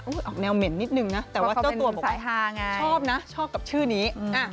ออกแนวเหม็นนิดนึงนะแต่ว่าเจ้าตัวบอกว่าชอบนะชอบกับชื่อนี้